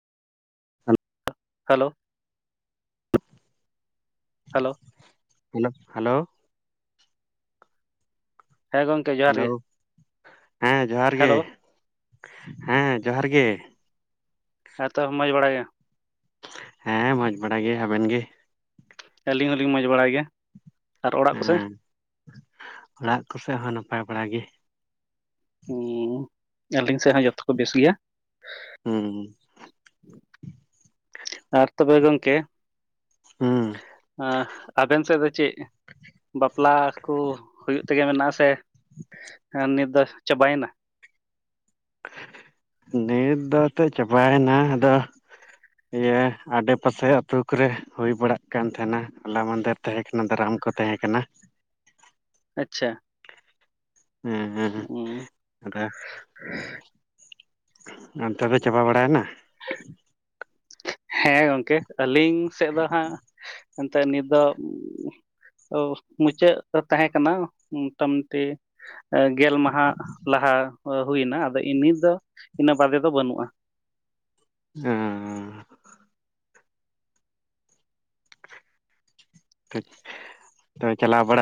Hello hello, hello hello ᱦᱮᱸ ᱜᱚᱝᱠ hello ᱦᱮᱸ ᱡᱚᱦᱟᱨ ᱜᱮ, ᱦᱮᱞᱳ ᱦᱮᱸ ᱡᱚᱦᱟᱨ ᱜᱮ, ᱦᱮᱸ ᱛᱚ ᱢᱚᱡᱽ ᱵᱟᱲᱟᱭ ᱜᱮᱭᱟᱢ? ᱦᱮᱸ ᱢᱚᱡᱽ ᱵᱟᱲᱟ ᱜᱮ ᱟᱵᱮᱱ ᱜᱮ? ᱟᱹᱞᱤᱧ ᱦᱚᱞᱤᱧ ᱢᱚᱡᱽ ᱵᱟᱲᱟᱭ ᱜᱮᱭᱟ ᱟᱨ ᱚᱲᱟᱜ ᱠᱚᱥᱮ? ᱦᱮᱸ ᱚᱲᱟᱜ ᱠᱚᱥᱮᱫ ᱦᱚᱸ ᱱᱟᱯᱟᱭ ᱵᱟᱲᱟ ᱜᱮ᱾ ᱦᱩᱸ ᱟᱹᱞᱤᱧ ᱥᱮᱫ ᱦᱚᱸ ᱡᱚᱛᱚ ᱠᱚ ᱵᱮᱥ ᱜᱮᱭᱟ᱾ ᱦᱩᱸ ᱟᱨ ᱛᱚᱵᱮ ᱜᱚᱢᱠᱮ ᱦᱩᱸ ᱟᱵᱮᱱ ᱥᱮᱫ ᱫᱚ ᱪᱮᱫ ᱵᱟᱯᱞᱟ ᱠᱚ ᱦᱩᱭᱩᱜ ᱛᱮᱜᱮ ᱢᱮᱱᱟᱜᱼᱟ ᱥᱮ ᱱᱤᱛ ᱫᱚ ᱪᱟᱵᱟᱭᱮᱱᱟ ᱰᱮᱴ ᱫᱚᱛᱚ ᱪᱟᱵᱟᱭᱮᱱᱟ ᱟᱫᱚ ᱤᱭᱟᱹ ᱟᱰᱮᱯᱟᱥᱮ ᱟ ᱟᱹᱛᱩᱳ ᱠᱚᱨᱮ ᱦᱩᱭ ᱵᱟᱲᱟᱜ ᱠᱟᱱ ᱛᱟᱦᱮᱱᱟ ᱦᱚᱞᱟ ᱢᱟᱫᱮᱨ ᱛᱟᱦᱮᱸ ᱠᱟᱱᱟ ᱫᱟᱨᱟᱢ ᱠᱚ ᱛᱟᱦᱮᱸ ᱠᱟᱱᱟ ᱟᱪᱪᱷᱟ ᱦᱮᱸ ᱦᱮᱸ ᱩᱸ, ᱦᱮᱸ ᱟᱫᱚ ᱚᱱᱛᱮ ᱫᱚ ᱪᱟᱵᱟ ᱵᱟᱲᱟᱭᱮᱱᱟ ᱦᱮᱸ ᱜᱚᱝᱠᱮ ᱟᱹᱞᱤᱧ ᱥᱮᱫ ᱫᱚ ᱦᱟᱸᱜ ᱮᱱᱛᱜ ᱱᱤᱛ ᱫᱚ ᱢᱩᱪᱟᱹᱫ ᱛᱟᱦᱮᱸ ᱠᱟᱱᱟ ᱢᱚᱴᱟ ᱢᱩᱴᱤ ᱜᱮᱞ ᱢᱟᱦᱟ ᱞᱟᱦᱟ ᱦᱩᱭᱱᱟ ᱟᱫᱚ ᱤ ᱫᱚ ᱤᱱᱟᱹ ᱵᱟᱫᱮ ᱫᱚ ᱵᱟᱹᱱᱩᱜᱼᱟ᱾ ᱦᱚ ᱦᱚ ᱴᱷᱤᱠ ᱪᱟᱞᱟᱣ ᱵᱟᱲᱟᱜ